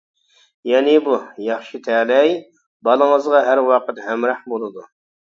يەنى بۇ «ياخشى تەلەي» بالىڭىزغا ھەر ۋاقىت ھەمراھ بولىدۇ.